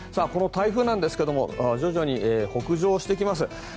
この台風なんですが徐々に北上してきます。